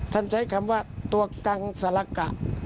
ท่านใช้คำว่าตัวกังสลักกะ